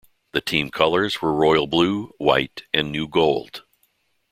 The team colors were royal blue, white and new gold.